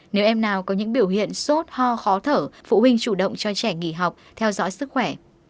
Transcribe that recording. nếu em nào có những biểu hiện sốt ho khó thở phụ huynh chủ động cho trẻ nghỉ học theo dõi sức khỏe